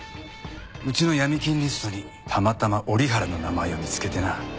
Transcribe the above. うちの闇金リストにたまたま折原の名前を見つけてな。